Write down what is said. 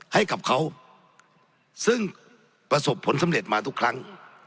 ให้กับเขาซึ่งประสบผลสำเร็จมาทุกครั้ง